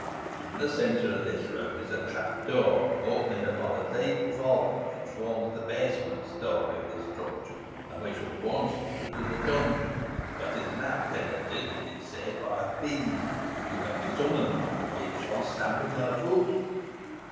In the centre of this room is a trapdoor opening upon a deep vault, which forms the basement story of the structure, and which was once used as a dungeon, but is now tenanted, it is said, by a fiend, who can be summoned by the witch on stamping her foot.